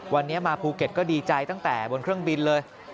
วันนี้มาภูเก็ตก็ดีใจตั้งแต่บนเครื่องบินเลย